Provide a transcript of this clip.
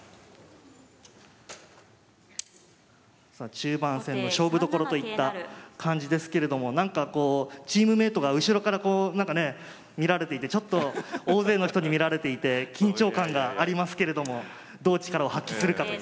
中盤戦の勝負どころといった感じですけれどもチームメートが後ろからこうなんかねえ見られていて大勢の人に見られていて緊張感がありますけれどもどう力を発揮するかという。